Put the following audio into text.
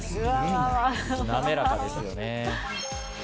滑らかですよね。